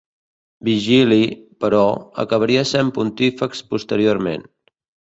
Vigili, però, acabaria sent pontífex posteriorment.